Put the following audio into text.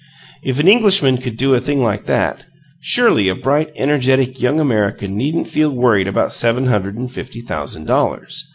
If an Englishman could do a thing like that, surely a bright, energetic young American needn't feel worried about seven hundred and fifty thousand dollars!